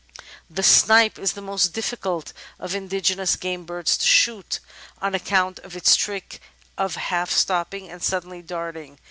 The Snipe is the most difiicult of indigenous game birds to shoot, on account of its trick of half stopping and suddenly dart ing.